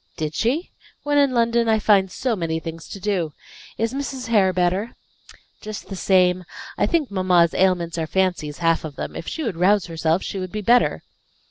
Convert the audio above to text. "Did she? When in London I find so many things to do! Is Mrs. Hare better?" "Just the same. I think mamma's ailments are fancies, half of them; if she would rouse herself she would be better.